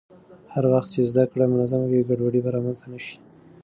هر وخت چې زده کړه منظم وي، ګډوډي به رامنځته نه شي.